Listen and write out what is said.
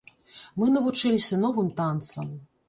Мы навучыліся новым танцам.